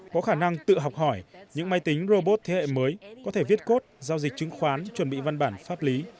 có khả năng tự học hỏi những máy tính robot thế hệ mới có thể viết cốt giao dịch chứng khoán chuẩn bị văn bản pháp lý